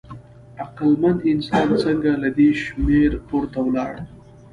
عقلمن انسان څنګه له دې شمېر پورته ولاړ؟